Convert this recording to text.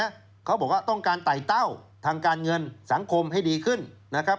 เขาบอกว่าต้องการไต่เต้าทางการเงินสังคมให้ดีขึ้นนะครับ